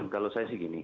kalau saya sih gini